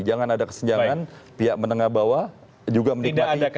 jangan ada kesenjangan pihak menengah bawah juga menikmati